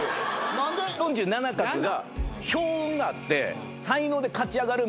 ４７画が。